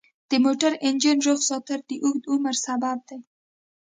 د موټر انجن روغ ساتل د اوږده عمر سبب دی.